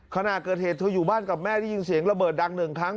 ขณะเกิดเหตุเธออยู่บ้านกับแม่ได้ยินเสียงระเบิดดังหนึ่งครั้ง